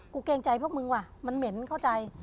เกรงใจพวกมึงว่ะมันเหม็นเข้าใจ